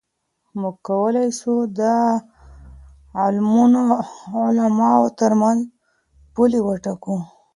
موږ کولای سو د علومو ترمنځ پولي وټاکو.